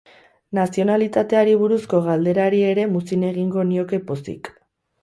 Nazionalitateari buruzko galderari ere muzin egingo nioke pozik.